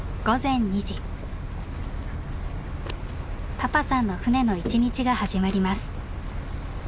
パパさんの船の一日が始まります。